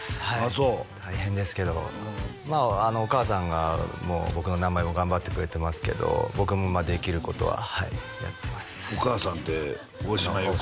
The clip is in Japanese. そう大変ですけどお母さんがもう僕の何倍も頑張ってくれてますけど僕もできることははいやってますお母さんって大島優子？